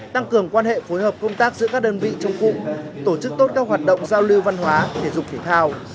tăng cường quan hệ phối hợp công tác giữa các đơn vị trong cụ tổ chức tốt các hoạt động giao lưu văn hóa thể dục thể thao